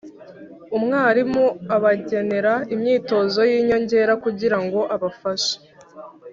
umwarimu abagenera imyitozo y’inyongera kugira ngo abafashe